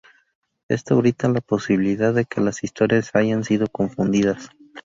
Esto brinda la posibilidad de que las historias hayan sido confundidas.